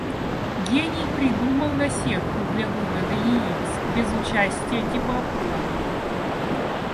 Гений придумал наседку для вывода яиц без участия теплокровных.